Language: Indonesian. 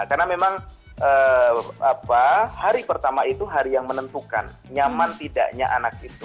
karena memang hari pertama itu hari yang menentukan nyaman tidaknya anak itu